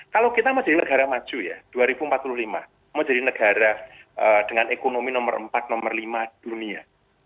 kalau kita mau jadi negara maju ya dua ribu empat puluh lima mau jadi negara dengan ekonomi nomor empat nomor lima dunia